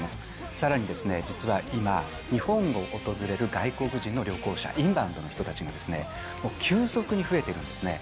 さらに、実は今、日本を訪れる外国人の旅行者、インバウンドの人たちが急速に増えているんですね。